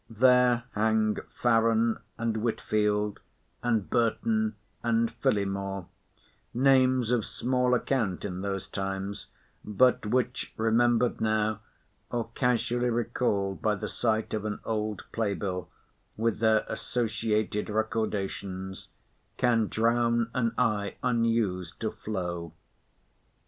There hang Farren and Whitfield, and Burton and Phillimore, names of small account in those times, but which, remembered now, or casually recalled by the sight of an old play bill, with their associated recordations, can "drown an eye unused to flow."